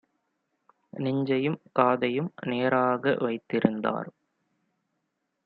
நெஞ்சையும் காதையும் நேராக வைத்திருந்தார்: